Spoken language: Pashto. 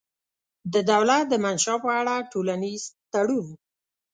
د دولت د منشا په اړه ټولنیز تړون